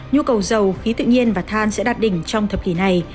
nhu cầu dầu khí tự nhiên và than sẽ đạt đỉnh trong thập kỷ này